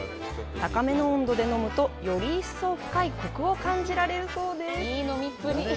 高めの温度で飲むと、より一層深いコクを感じられるそうです。